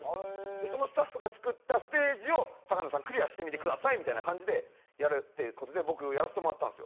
そのスタッフが作ったステージを高野さんクリアしてみてくださいみたいな感じでやるってことで僕やらしてもらったんすよ。